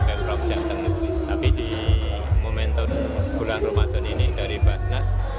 untuk asn pemprov jateng tapi di momentum bulan ramadan ini dari basnas